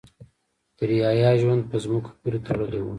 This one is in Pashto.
د رعایا ژوند په ځمکو پورې تړلی و.